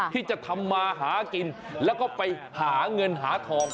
ที่จะทำมาหากินแล้วก็ไปหาเงินหาทอง